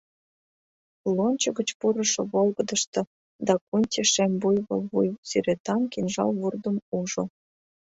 Лончо гыч пурышо волгыдышто Дакунти шем буйвол вуй сӱретан кинжал вурдым ужо.